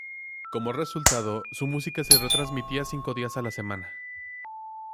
Como resultado, su música se retransmitía cinco días a la semana.